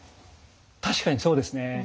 確かにそうですね。